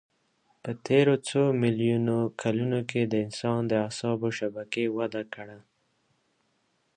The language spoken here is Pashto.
په تېرو څو میلیونو کلونو کې د انسان د اعصابو شبکې وده کړه.